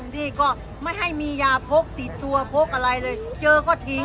ที่ก็ไม่ให้มียาพกติดตัวพกอะไรเลยเจอก็ทิ้ง